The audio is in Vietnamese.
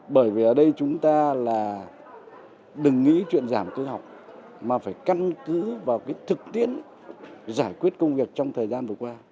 bởi vì ở đây chúng ta là đừng nghĩ chuyện giảm cư học mà phải căn cứ vào cái thực tiễn giải quyết công việc trong thời gian vừa qua